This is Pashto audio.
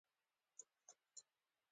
او زما سپارښتنه به ورته وکړي.